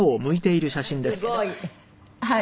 すごい！